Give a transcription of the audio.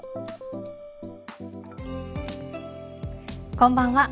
こんばんは。